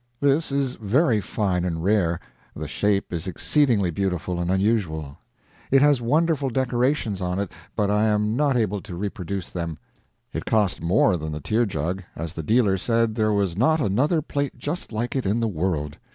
This is very fine and rare; the shape is exceedingly beautiful and unusual. It has wonderful decorations on it, but I am not able to reproduce them. It cost more than the tear jug, as the dealer said there was not another plate just like it in the world.